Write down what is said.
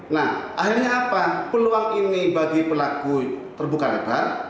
nah akhirnya apa peluang ini bagi pelaku terbuka lebar